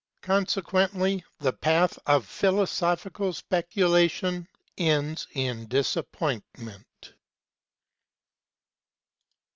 Consequently the path of Philosophical Specu lation ends in disappointment.